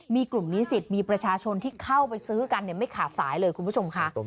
มีกลุ่มนิสิตมีประชาชนที่เข้าไปซื้อกันไม่ขาดสายเลยคุณผู้ชมค่ะ